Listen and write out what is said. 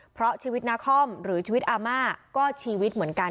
เพราะชีวิตนาคอมหรือชีวิตอาม่าก็ชีวิตเหมือนกัน